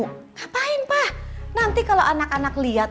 ngapain pa nanti kalau anak anak liat